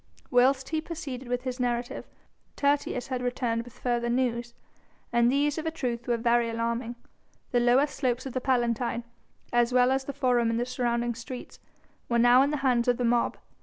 Whilst he proceeded with his narrative, Tertius had returned with further news. And these, of a truth, were very alarming. The lower slopes of the Palatine, as well as the Forum and the surrounding streets, were now in the hands of the mob.